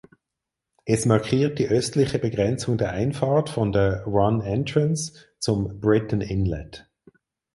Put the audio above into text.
Es markiert die östliche Begrenzung der Einfahrt von der Ronne Entrance zum Britten Inlet.